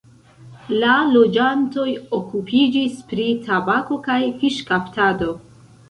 La loĝantoj okupiĝis pri tabako kaj fiŝkaptado.